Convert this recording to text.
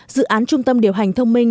dự án trung tâm điều hành thông minh